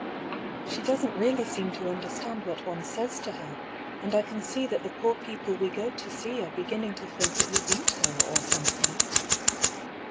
She doesn't really seem to understand what one says to her ; and I can see that the poor people we go to see are beginning to think that you beat her, or something.